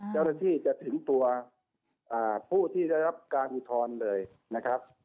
เจ้าหน้าที่จะถึงตัวผู้ที่ได้รับการอุทธรณ์เลยนะครับ